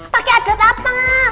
pake adat apa